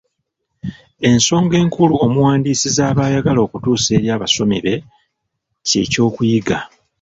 Ensonga enkulu omuwandiisi z’aba ayagala okutuusa eri abasomi be ky’ekyokuyiga.